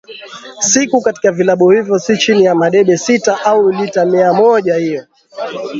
siku katika vilabu hivyo si chini ya madebe sita au lita mia mojaHiyo